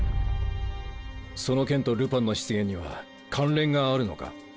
その件とルパンの出現には関連があるのか？